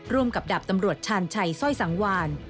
กับดาบตำรวจชาญชัยสร้อยสังวาน